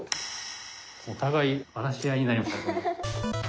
お互い荒らし合いになりましたね。